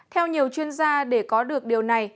theo nhiều chuyên gia để có được điều này